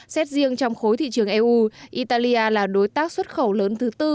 xét riêng trong khối thị trường eu italia là đối tác xuất khẩu lớn thứ tư